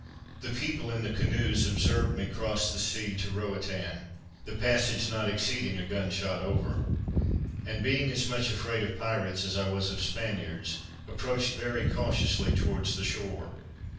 The people in the canoes observed me cross the sea to Roatan, the passage not exceeding a gun shot over; and being as much afraid of pirates as I was of Spaniards, approached very cautiously towards the shore.